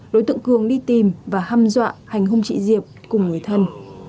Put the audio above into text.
đối tượng cường đi tìm và hăm dọa hành hôn chị diệp cùng người thân